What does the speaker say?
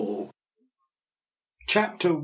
CHAPTER I.